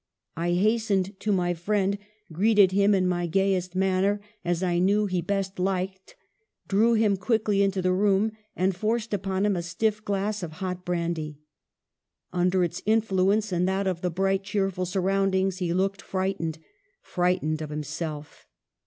I hastened to my friend, greeted him in my gayest manner, as I knew he best liked, drew him quickly into the room, and forced upon him a stiff glass of hot brandy. Under its influence and that of the bright, cheerful surroundings, he looked frightened — frightened of himself.